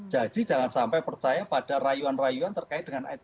jadi jangan sampai percaya pada rayuan rayuan terkait dengan it